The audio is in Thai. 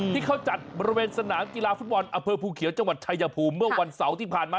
ที่เขาจัดบริเวณสนามกีฬาฟุตบอลอเภอภูเขียวจังหวัดชายภูมิเมื่อวันเสาร์ที่ผ่านมา